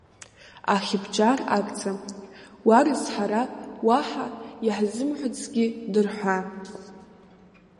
Ахьыбҿар агӡам, уа рзырҳа, уа ҳа иаҳзымҳәацгьы дырҳәа.